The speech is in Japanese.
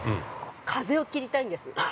風を切りたいんです。